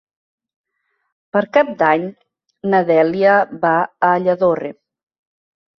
Per Cap d'Any na Dèlia va a Lladorre.